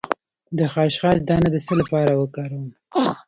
د خشخاش دانه د څه لپاره وکاروم؟